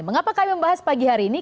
mengapa kami membahas pagi hari ini